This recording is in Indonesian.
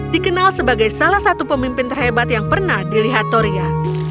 dikenal sebagai salah satu pemimpin terhebat yang pernah dilihat toria